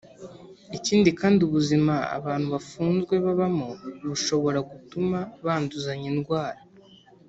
Ikindi kandi ubuzima abantu bafunzwe babamo bushobora gutuma banduzanya indwara